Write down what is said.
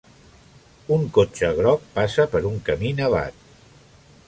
Un cotxe groc passa per un camí nevat.